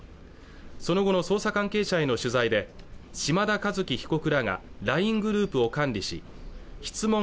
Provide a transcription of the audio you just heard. その後の捜査関係者への取材で島田和樹被告らがＬＩＮＥグループを管理し質問